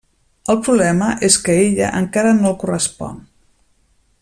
El problema és que ella encara no el correspon.